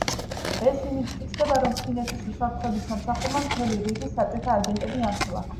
ეს იმით მტკიცდება, რომ ფინეთის უსაფრთხოების სამსახურმა მთელი რიგი საბჭოთა აგენტები ამხილა.